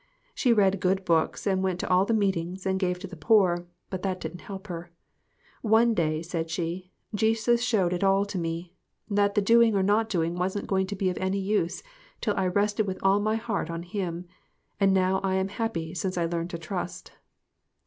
She read good books, and went to all the meetings, and gave to the poor, but that didn't help her. "One day," said she, "Jesus showed it all to me that the doing or not doing wasn't going to be of any use till I rested with all my heart on him ; and now I am happy since I learned to trust."